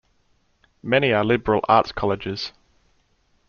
Many are liberal arts colleges.